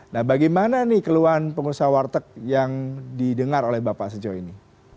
nah bagaimana nih keluhan pengusaha warteg yang didengar oleh bapak sejauh ini